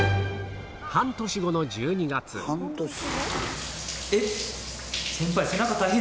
半年後の１２月えっ？